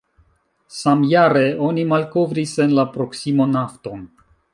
Samjare, oni malkovris en la proksimo nafton.